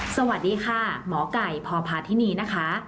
สวัสดีค่ะหมอไก่พพาธินีนะคะ